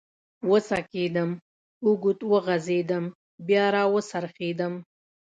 و څکېدم، اوږد وغځېدم، بیا را و څرخېدم.